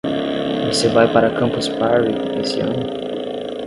Você vai para a Campus Party esse ano?